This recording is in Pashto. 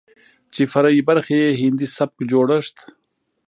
چې فرعي برخې يې هندي سبک جوړښت،